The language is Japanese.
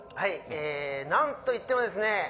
えなんといってもですね